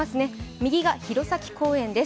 右が弘前公園です。